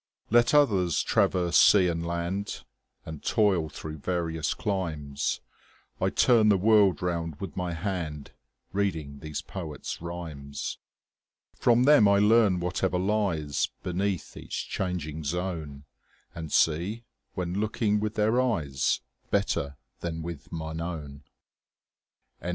Let others traverse sea and land, And toil through various climes, 30 I turn the world round with my hand Reading these poets' rhymes. From them I learn whatever lies Beneath each changing zone, And see, when looking with their eyes, 35 Better than with mine own. H. W.